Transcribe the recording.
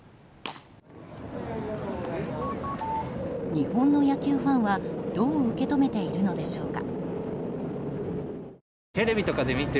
日本の野球ファンはどう受け止めているのでしょうか。